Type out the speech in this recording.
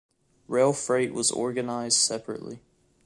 Railfreight was organised separately.